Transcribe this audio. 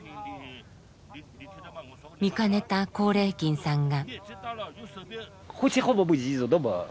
見かねた光礼金さんが。